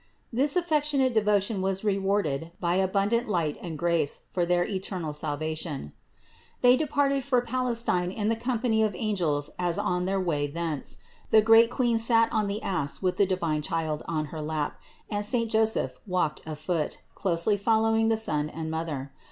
This affec tionate devotion was rewarded by abundant light and grace for their eternal salvation. 704. They departed for Palestine in the company of angels as on their way thence. The great Queen sat on the ass with the divine Child on her lap and saint THE INCARNATION 603 Joseph walked afoot, closely following the Son and Mother.